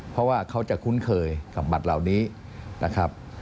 เพราะว่าเขาจะคุ้นเคยกับบัตรเหล่านี้นะครับ